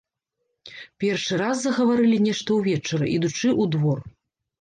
Першы раз загаварылі нешта ўвечары, ідучы ў двор.